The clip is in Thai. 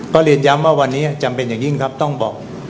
ก็เรียนย้ำว่าวันนี้จำเป็นอย่างยิ่งครับต้องบอก